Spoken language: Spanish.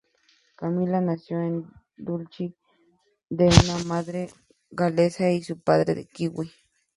Camilla Nació en Dulwich de una madre galesa y padre de Kiwi.